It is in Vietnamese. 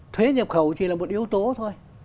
thuế nhập khẩu chỉ là một yếu tố thôi